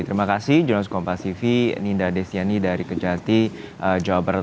terima kasih jones kompasifi ninda desiani dari kejati jawa barat